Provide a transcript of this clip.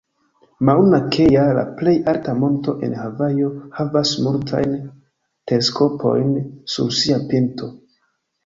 Mauna Kea, la plej alta monto en Havajo, havas multajn teleskopojn sur sia pinto.